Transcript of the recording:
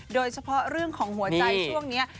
โดยเฉพาะเรื่องของหัวใจช่วงนี้